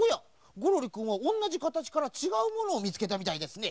ゴロリくんはおんなじかたちからちがうものをみつけたみたいですね。